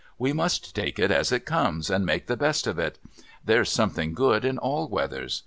We must take it as it comes, and make the best of it. There's something good in all weathers.